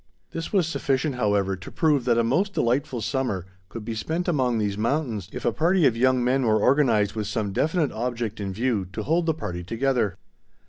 This was sufficient, however, to prove that a most delightful summer could be spent among these mountains if a party of young men were organized with some definite object in view to hold the party together.